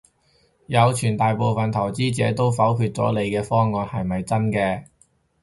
有傳大部份投資者都否決咗你嘅方案，係咪真嘅？